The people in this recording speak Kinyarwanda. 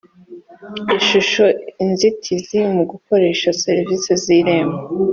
ishusho inzitizi mu gukoresha serivisi z irembo